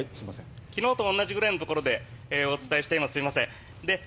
昨日と同じぐらいのところでお伝えしています。